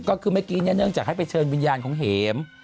ก็คือเมื่อกี้เนี่ยเนื่องจากให้ไปเชิญวิญญาณของเห็ม